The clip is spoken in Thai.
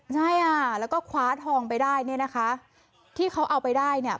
ใช่อ่ะแล้วก็คว้าทองไปได้เนี่ยนะคะที่เขาเอาไปได้เนี่ย